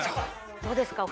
どうですか？